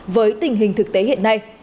với tình hình thực tế hiện nay